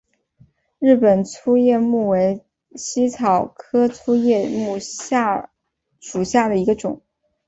日本粗叶木为茜草科粗叶木属下的一个种。